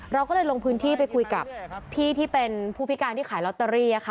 เราก็เลยลงพื้นที่ไปคุยกับพี่ที่เป็นผู้พิการที่ขายลอตเตอรี่ค่ะ